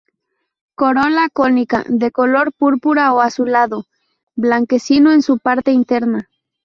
Corola cónica, de color púrpura o azulado, blanquecino en su parte interna.